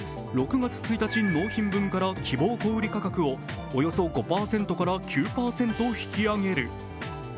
６月１日納品分から希望小売価格をおよそ５％から９％引き上げる。